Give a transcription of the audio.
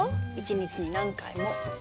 １日に何回も。